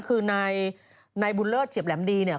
คือนายบุญเลิศเฉียบแหลมดีเนี่ย